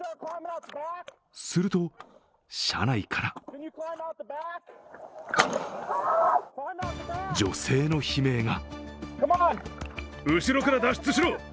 すると車内から女性の悲鳴が。